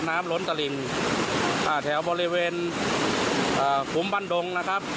ล้นตะหลิ่งอ่าแถวบริเวณอ่าขุมบันดงนะครับ